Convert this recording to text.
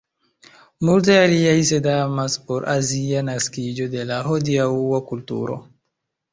Multaj aliaj sed emas por azia naskiĝo de la hodiaŭa kulturo.